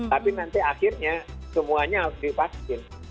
tapi nanti akhirnya semuanya harus divaksin